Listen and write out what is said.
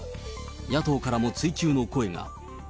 野党からも追及の声が。